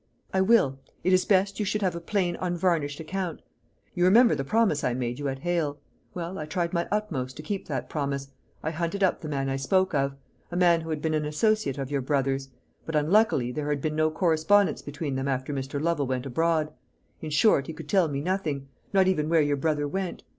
"I will. It is best you should have a plain unvarnished account. You remember the promise I made you at Hale? Well, I tried my utmost to keep that promise. I hunted up the man I spoke of a man who had been an associate of your brother's; but unluckily, there had been no correspondence between them after Mr. Lovel went abroad; in short, he could tell me nothing not even where your brother went.